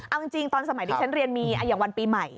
เอาจริงตอนสมัยที่ฉันเรียนมีอย่างวันปีใหม่